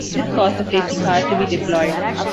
This caused the safety car to be deployed.